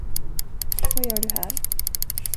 Vad gör du här?